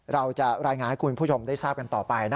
เราจะรายงานให้คุณผู้ชมได้ทราบกันต่อไปนะ